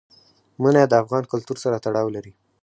منی د افغان کلتور سره تړاو لري.